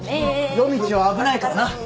夜道は危ないからな。